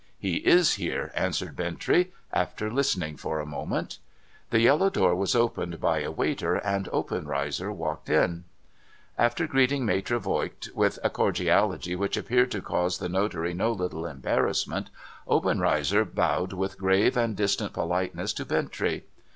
' He is here,' answered Bintrey, after listening for a moment. l"he yellow door was oi)ened by a waiter, and Obcnreizer walked in. After greeting Maitre Voigt with a cordiality which appeared to cause the notary no little embarrassment, Obenreizer bowed with grave and distant politeness to Bintrey.